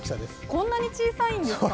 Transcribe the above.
こんなに小さいんですか？